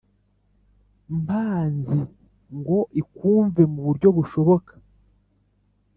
mpanzi ngo ikwumve muburyo bushoboka